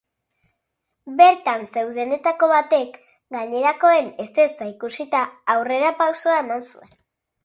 Bertan zeudenetako batek, gainerakoen ezetza ikusita, aurrerapausoa eman zuen.